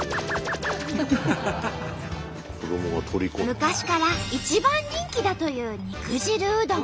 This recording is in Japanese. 昔から一番人気だという肉汁うどん。